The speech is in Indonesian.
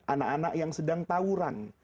anak anak yang sedang tawuran